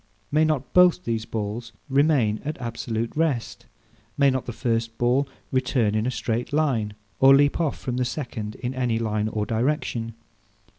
May not both these balls remain at absolute rest? May not the first ball return in a straight line, or leap off from the second in any line or direction?